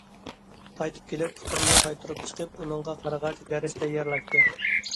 قايتىپ كېلىپ، ئۇكامنى قايتۇرۇپ چىقىپ، ئۇنىڭغا قارىغاچ، دەرس تەييارلايتتى.